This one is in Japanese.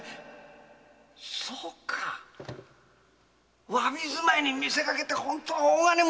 そうか侘び住まいに見せかけて本当は大金持ちってことか！